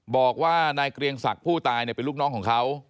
บอกว่านายเกรียงศักดิ์ผู้ตายเป็นลูกน้องของเขา